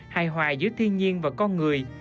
hài hòa giữa thiên nhiên và con người